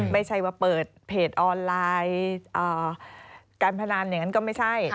ไม่ใช่ว่าเปิดเพจออนไลน์การพนันอย่างนั้นก็ไม่ใช่